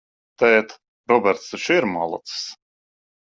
Tēt, Roberts taču ir malacis?